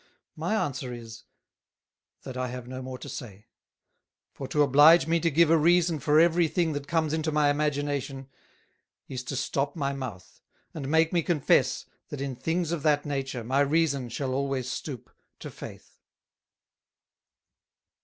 My answer is, That I have no more to say: For to oblige me to give a Reason for every thing that comes into my Imagination, is to stop my Mouth, and make me confess that in things of that nature my Reason shall always stoop to Faith."